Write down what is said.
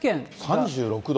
３６度？